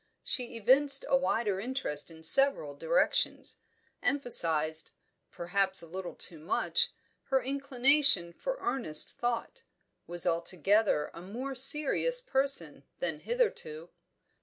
She evinced a wider interest in several directions, emphasised perhaps a little too much her inclination for earnest thought: was altogether a more serious person than hitherto.